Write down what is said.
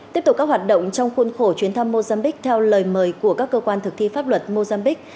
tiếp tục các hoạt động trong khuôn khổ chuyến thăm mozambique theo lời mời của các cơ quan thực thi pháp luật mozambique